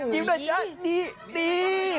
ิวหน่อยจ๊ะดีดี